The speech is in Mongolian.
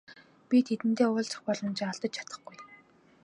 Би тэдэнтэй уулзах боломжоо алдаж чадахгүй.